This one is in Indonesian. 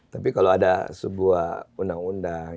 tapi kalau ada sebuah undang undang